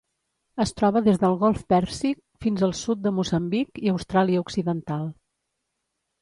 Es troba des del Golf Pèrsic fins al sud de Moçambic i Austràlia Occidental.